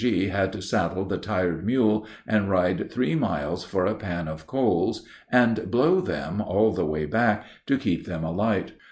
G. had to saddle the tired mule and ride three miles for a pan of coals, and blow them, all the way back, to keep them alight.